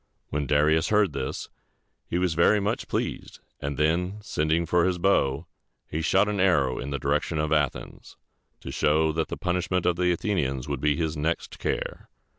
When Darius heard this, he was very much pleased; and then, sending for his bow, he shot an arrow in the direction of Athens, to show that the punishment of the Athenians would be his next care.